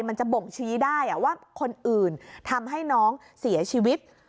มันจะบ่งชี้ได้ว่าคนอื่นทำให้น้องเสียชีวิต